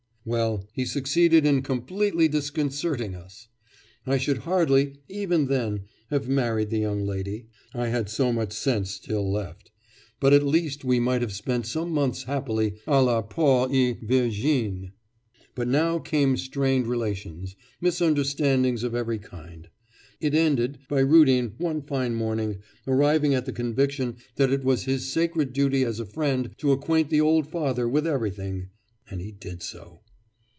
Well, he succeeded in completely disconcerting us! I should hardly, even then, have married the young lady (I had so much sense still left), but, at least, we might have spent some months happily a la Paul et Virginie; but now came strained relations, misunderstandings of every kind. It ended by Rudin, one fine morning, arriving at the conviction that it was his sacred duty as a friend to acquaint the old father with everything and he did so.